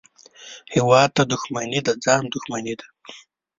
هېواد ته دښمني د ځان دښمني ده